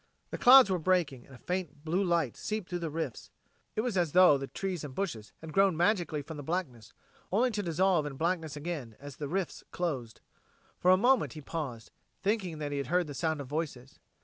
The clouds were breaking, and a faint blue light seeped through the rifts. It was as though the trees and bushes had grown magically from the blackness, only to dissolve in blackness again as the rifts closed. For a moment he paused, thinking that he had heard the sound of voices.